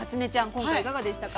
今回いかがでしたか？